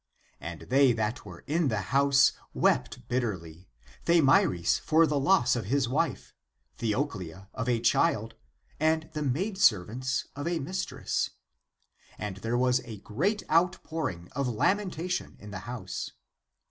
And they <that were in the house >^^ wept bitterly, Thamyris for the loss of a wife, Theoclia of a child, and the maidservants of a mistress. And there was a great outpouring of lamentation in the house.